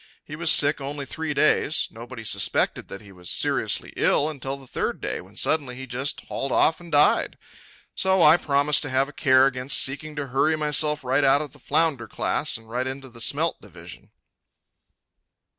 He was sick only three days. Nobody suspected that he was seriously ill until the third day, when suddenly he just hauled off and died. So I promised to have a care against seeking to hurry myself right out of the flounder class and right into the smelt division.